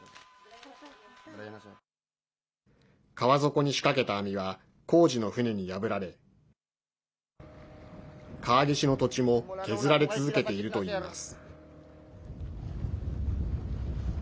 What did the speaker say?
川底に仕掛けた網は工事の船に破られ川岸の土地も削られ続けているといいます。